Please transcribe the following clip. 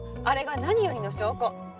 あれが何よりの証拠。